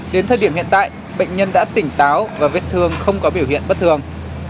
đến thời điểm hiện tại bệnh nhân đã tỉnh táo và vết thương không có biểu hiện bất thường